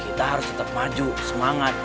kita harus tetap maju semangat